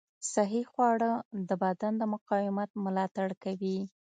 صحي خواړه د بدن د مقاومت ملاتړ کوي.